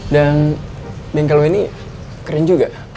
dan bengkel lo ini keren juga